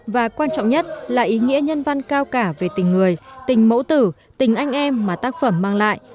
và quan trọng nhất là ý nghĩa nhân văn cao cả về tình người tình mẫu tử tình anh em mà tác phẩm mang lại